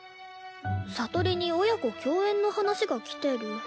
聡里に親子共演の話が来てる。